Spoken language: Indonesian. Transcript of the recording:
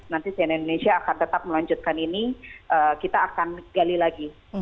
nanti cnn indonesia akan tetap melanjutkan ini kita akan gali lagi